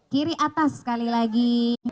kiri atas sekali lagi